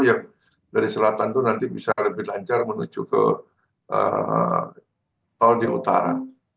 yang dari selatan itu nanti bisa lebih lancar menuju ke tol di utara